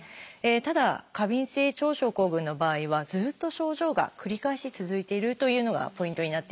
ただ過敏性腸症候群の場合はずっと症状が繰り返し続いてるというのがポイントになっています。